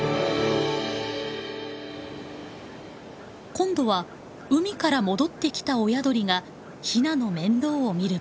今度は海から戻ってきた親鳥がヒナの面倒を見る番です。